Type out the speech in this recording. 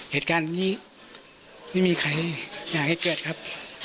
เหตุการณ์นี้ไม่มีใครอยากให้เกิดครับ